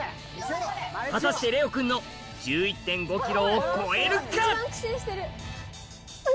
果たしてレオくんの１１．５ｋｇを超えるか？